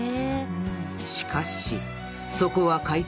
しかしそこは海底の砂漠。